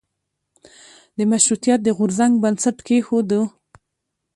د مشروطیت د غورځنګ بنسټ کېښودیو.